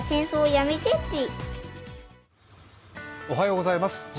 おはようございます。